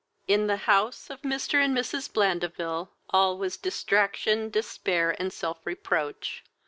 In the house of Mr. and Mrs. Blandeville all was distraction, despair, and self reproach.